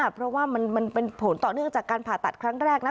เพราะว่ามันเป็นผลต่อเนื่องจากการผ่าตัดครั้งแรกนะ